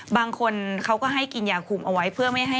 บางคนเขาก็ให้กินยาคุมเอาไว้เพื่อไม่ให้